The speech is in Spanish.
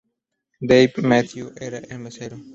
Dave Matthews era el mesero.